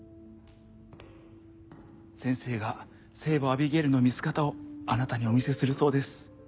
先生が聖母アビゲイルの御姿をあなたにお見せするそうです。